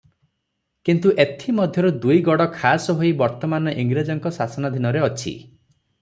କିନ୍ତୁ ଏଥି ମଧ୍ୟରୁ ଦୁଇ ଗଡ଼ ଖାସ ହୋଇ ବର୍ତ୍ତମାନ ଇଂରେଜଙ୍କ ଶାସନାଧୀନରେ ଅଛି ।